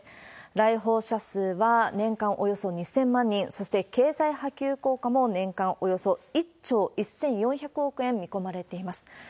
来訪者数は年間およそ２０００万人、そして経済波及効果も年間およそ１兆１４００億円見込まれています。